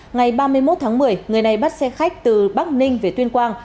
ngày ba mươi một tháng một mươi người này bắt xe khách từ bắc ninh về tuyên quang